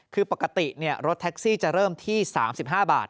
คือปกติรถแท็กซี่จะเริ่มที่๓๕บาท